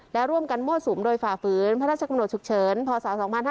และร่วมกันมั่วสุมโดยฝ่าฝืนพระราชกำหนดฉุกเฉินพศ๒๕๕๙